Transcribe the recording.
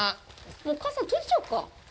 もう傘閉じちゃおうか。